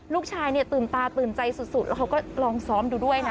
ลูกชายเนี่ยตื่นตาตื่นใจสุดแล้วเขาก็ลองซ้อมดูด้วยนะ